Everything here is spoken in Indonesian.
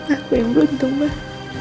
aku yang beruntung mbak